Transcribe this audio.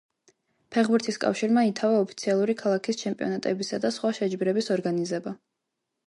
ფეხბურთის კავშირმა ითავა ოფიციალური ქალაქის ჩემპიონატებისა და სხვა შეჯიბრებების ორგანიზება.